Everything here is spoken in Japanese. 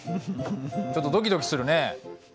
ちょっとドキドキするね。